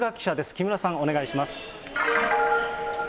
木村さん、お願いします。